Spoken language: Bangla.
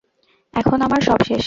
এখন আমার সব শেষ।